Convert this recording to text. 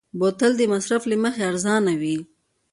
بوتل د مصرف له مخې ارزانه وي.